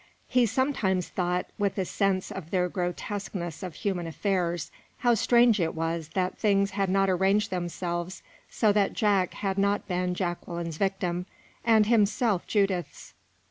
He sometimes thought, with a sense of the grotesqueness of human affairs, how strange it was that things had not arranged themselves so that Jack had not been Jacqueline's victim, and himself Judith's.